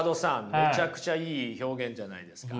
めちゃくちゃいい表現じゃないですか。